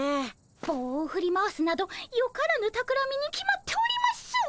ぼうを振り回すなどよからぬたくらみに決まっております。